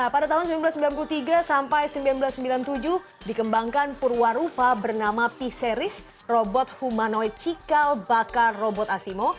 pada tahun seribu sembilan ratus sembilan puluh tiga sampai seribu sembilan ratus sembilan puluh tujuh dikembangkan purwarupa bernama p series robot humanoi cikal bakar robot asimo